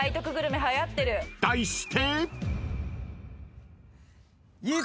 ［題して］